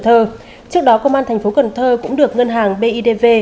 trước đó công an tp cn cũng được ngân hàng bidv